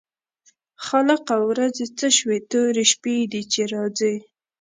خالقه ورځې څه شوې تورې شپې دي چې راځي.